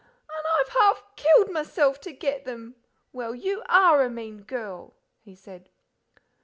"An' I've half killed myself to get them! Well, you ARE a mean girl!" he said.